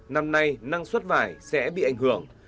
năm nay năng suất vải sẽ bị ảnh hưởng